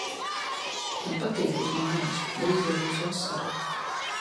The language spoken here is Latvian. Man patīk būt mājās. Drīz jau būs vasara.